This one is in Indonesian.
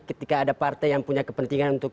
ketika ada partai yang punya kepentingan untuk